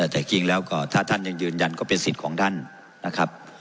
แต่จริงแล้วก็ถ้าท่านยังยืนยันก็เป็นสิทธิ์ของท่านนะครับ